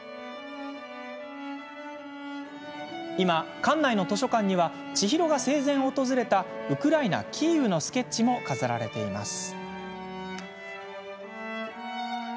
今、館内の図書室にはちひろが生前訪れたウクライナ・キーウのスケッチも飾られています。